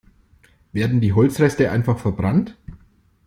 Werden die Holzreste einfach verbrannt?